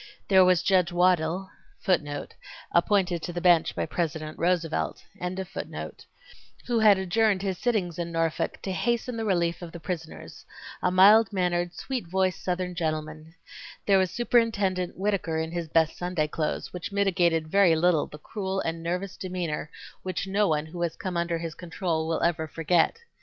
There was Judge Waddill—who had adjourned his sittings in Norfolk to hasten the relief of the prisoners—a mild mannered, sweet voiced Southern gentleman. There was Superintendent Whittaker in his best Sunday clothes, which mitigated very little the cruel and nervous demeanor which no one who has come under his control will ever forget.